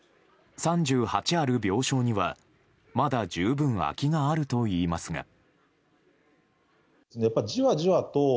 ３８ある病床には、まだ十分空きがあるといいますが。